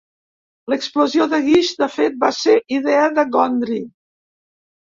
L'explosió de guix, de fet, va ser idea de Gondry.